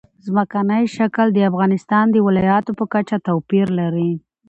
ځمکنی شکل د افغانستان د ولایاتو په کچه توپیر لري.